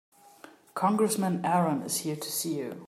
Congressman Aaron is here to see you.